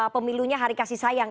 pemilunya hari kasih sayang